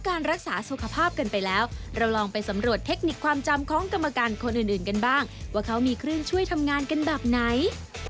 การรักษาสุขภาพกันไปแล้วเราลองไปสำรวจเทคนิคความจำของกรรมการคนอื่นอื่นกันบ้างว่าเขามีเครื่องช่วยทำงานกันแบบไหน